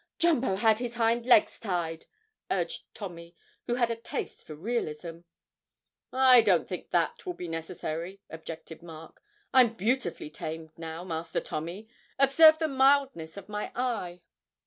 'Jumbo had his hind legs tied,' urged Tommy, who had a taste for realism. 'I don't think that will be necessary,' objected Mark. 'I'm beautifully tame now, Master Tommy; observe the mildness of my eye.'